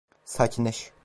Sakinleş.